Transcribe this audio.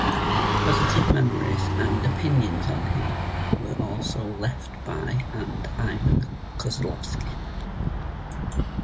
Positive memories and opinions on him were also left by and Ivan Kozlovsky.